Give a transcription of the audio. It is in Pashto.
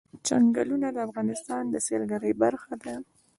چنګلونه د افغانستان د سیلګرۍ برخه ده.